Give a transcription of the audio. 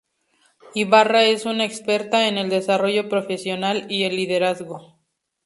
Ibarra es una experta en el desarrollo profesional y el liderazgo.